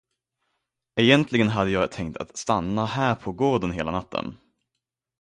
Egentligen hade jag tänkt att stanna här på gården hela natten.